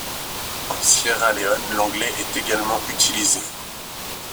En Sierra Leone l'anglais est également utilisé.